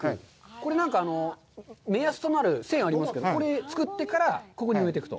これなんか目安となる線がありますが、これを作ってから、ここに植えていくと？